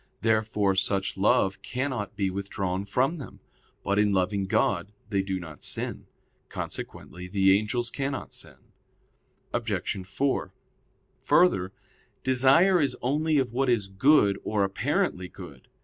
Therefore such love cannot be withdrawn from them. But in loving God they do not sin. Consequently the angels cannot sin. Obj. 4: Further, desire is only of what is good or apparently good.